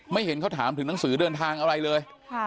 เห็นเขาถามถึงหนังสือเดินทางอะไรเลย